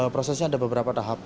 prosesnya ada beberapa tahap